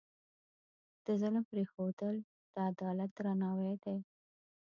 د ظلم پرېښودل، د عدالت درناوی دی.